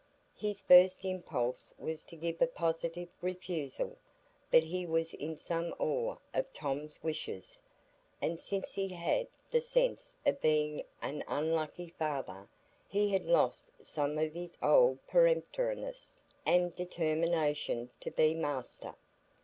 His first impulse was to give a positive refusal, but he was in some awe of Tom's wishes, and since he had the sense of being an "unlucky" father, he had lost some of his old peremptoriness and determination to be master.